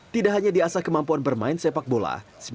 tidak hanya di asa kemampuan bermain sepak bola